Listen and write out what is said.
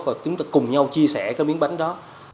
và chúng ta cùng nhau chia sẻ cái miếng bánh đó